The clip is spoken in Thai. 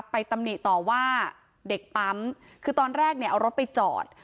ตำหนิต่อว่าเด็กปั๊มคือตอนแรกเนี่ยเอารถไปจอด